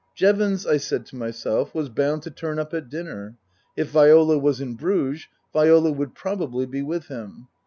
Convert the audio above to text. Jevons, I said to myself, was bound to turn up at dinner. If Viola was in Bruges, Viola would probably be with him.